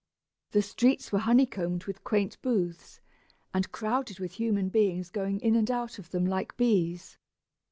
The streets were honeycombed with quaint booths, and crowded with human beings going in and out of them like bees.